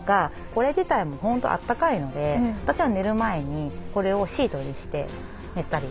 これ自体も本当あったかいので私は寝る前にこれをシートにして寝たり。